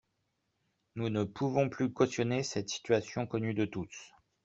Nous ne pouvons plus cautionner cette situation connue de tous.